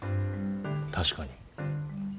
確かに。